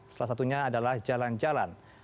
salah satunya adalah jalan jalan